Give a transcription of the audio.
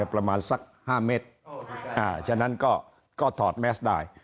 ประมาณสักห้าเมตรอ่าฉะนั้นก็ก็ถอดแมสได้